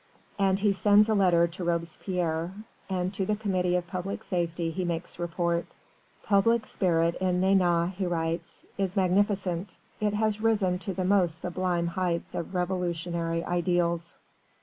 And he sends a letter to Robespierre. And to the Committee of Public Safety he makes report: "Public spirit in Nantes," he writes, "is magnificent: it has risen to the most sublime heights of revolutionary ideals."